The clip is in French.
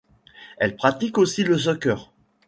Elle pratique aussi le soccer.